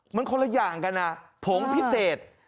มันคนละอย่างกันนะผงพิเศษ